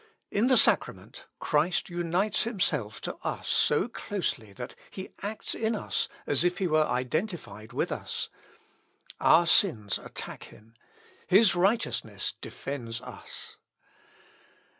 In the sacrament, Christ unites himself to us so closely that he acts in us as if he were identified with us. Our sins attack him. His righteousness defends us."